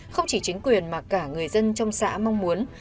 không chỉ chính quyền mà cả người dân trong xã mong muốn